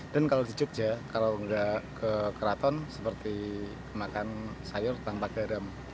dan kalau di yogyakarta kalau tidak ke keraton seperti makan sayur tanpa garam